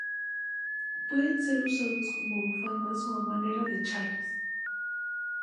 Pueden ser usados como bufandas o a manera de chales.